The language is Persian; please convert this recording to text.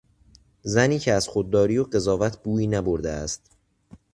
زنی که از خودداری و قضاوت بویی نبرده است